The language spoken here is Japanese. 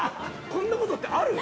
◆こんなことってある？